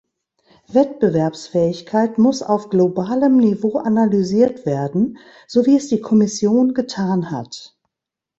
Wettbewerbsfähigkeit muss auf globalem Niveau analysiert werden, so wie es die Kommission getan hat.